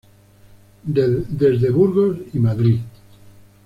Desde Burgos y Madrid.